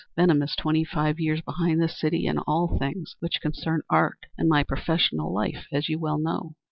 Benham is twenty five years behind this city in all things which concern art and my professional life, as you well know."